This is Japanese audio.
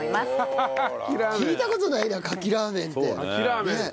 聞いた事ないなカキラーメンって。